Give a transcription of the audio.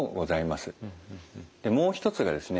でもう一つがですね